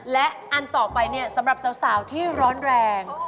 และอันต่อไปเนี่ยสำหรับสาวที่ร้อนแรง